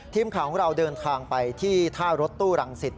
ทีมข่าวของเราเดินทางไปที่ท่ารถตู้รังสิต